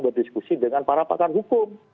berdiskusi dengan para pakar hukum